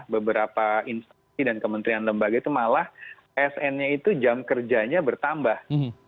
beberapa instansi dan kementerian lembaga itu malah sn nya itu jam kerjanya bertambah